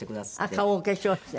顔お化粧して。